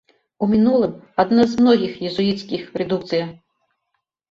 У мінулым, адна з многіх езуіцкіх рэдукцыя.